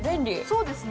そうですね。